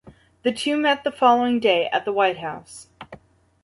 The two met the following day at the White House.